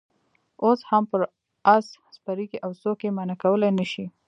اوس هم پر آس سپرېږي او څوک یې منع کولای نه شي.